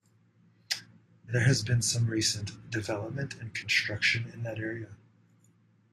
There has been some recent development and construction in the area.